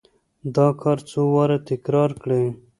دا کار څو واره تکرار کړئ.